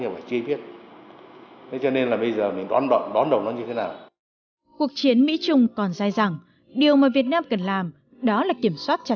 và hẹn gặp lại